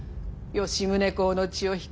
吉宗公の血を引く